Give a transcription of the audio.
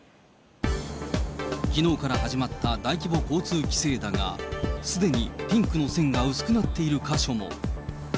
きのうから始まった大規模交通規制だが、すでにピンクの線が薄くなっている箇所も。